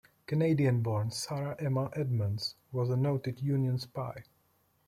Canadian-born Sarah Emma Edmonds was a noted Union spy.